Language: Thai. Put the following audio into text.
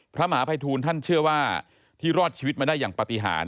พระมหาภัยทูลท่านเชื่อว่าที่รอดชีวิตมาได้อย่างปฏิหาร